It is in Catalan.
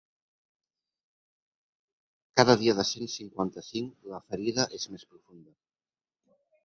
Cada dia de cent cinquanta-cinc la ferida és més profunda.